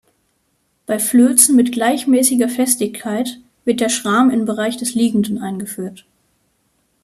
Bei Flözen mit gleichmäßiger Festigkeit wird der Schram im Bereich des Liegenden geführt.